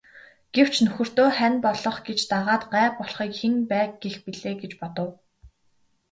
Гэвч нөхөртөө хань болох гэж дагаад гай болохыг хэн байг гэх билээ гэж бодов.